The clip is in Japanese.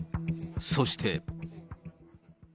そして。